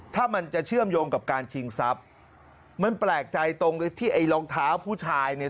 ถ้ามันจะเชื่อมโยงกับการชิงทรัพย์มันแปลกใจตรงที่ไอ้รองเท้าผู้ชายเนี่ย